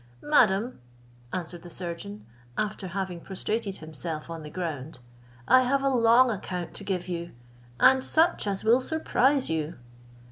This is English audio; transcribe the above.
"Madam," answered the surgeon, after having prostrated himself on the ground, "I have a long account to give you, and such as will surprise you."